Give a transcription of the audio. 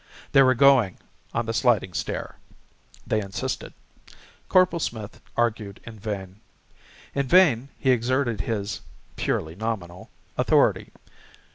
They were going on the sliding stair. They insisted. Corporal Smith argued in vain. In vain he exerted his (purely nominal) authority.